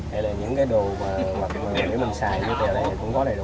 hay là những cái đồ mà mình xài dưới đều này thì cũng có đầy đủ